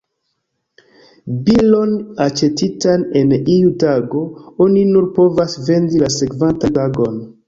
Bilon aĉetitan en iu tago, oni nur povas vendi la sekvantan tagon.